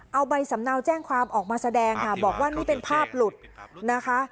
เอาใบสำเนาแจ้งความออกมาแสดงค่ะบอกว่านี่เป็นภาพหลุดนะคะ